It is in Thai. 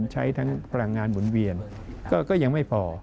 ใช้ทั้งพลังงานหมุนเวียนก็ยังไม่พอ